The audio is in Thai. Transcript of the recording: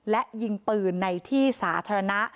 และยิงปืนในที่สาธารณะ